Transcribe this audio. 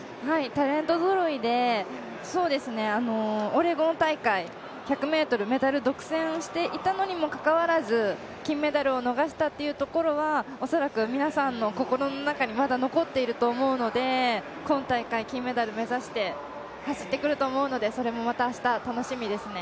タレントぞろいでオレゴン大会、１００ｍメダル独占していたにもかかわらず金メダルを逃したっていうところは恐らく皆さんの心の中にまだ残っていると思うので今大会金メダル目指して走ってくると思うので、それもまた明日、楽しみですね。